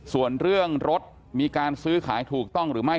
ส่วนเรื่องรถมีการซื้อขายถูกต้องหรือไม่